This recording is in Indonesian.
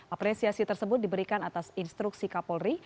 apresiasi tersebut diberikan atas instruksi kapolri